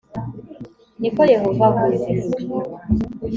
ni ko yehova avuze